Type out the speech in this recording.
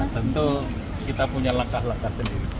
tentu kita punya langkah langkah sendiri